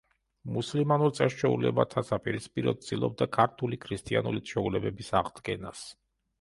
მუსლიმანურ წეს-ჩვეულებათა საპირისპიროდ ცდილობდა ქართული ქრისტიანული ჩვეულებების აღდგენას.